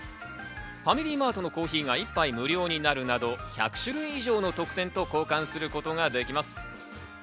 ファミリーマートのコーヒーが一杯無料になるなど１００種類以上の特典と交換することができます。